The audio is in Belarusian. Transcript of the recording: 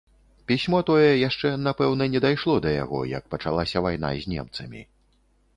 Пісьмо тое яшчэ, напэўна, не дайшло да яго, як пачалася вайна з немцамі.